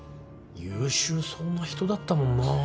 優秀そうな人だったもんなぁ。